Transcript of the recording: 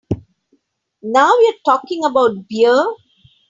Now you are talking about beer!